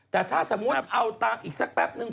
แต่ถ้าสมมุติเอาตามอีกสักแป๊บนึง